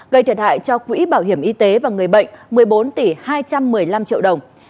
gây thiệt hại cho quỹ bảo hiểm y tế và người bệnh một mươi bốn tỷ hai trăm một mươi năm triệu đồng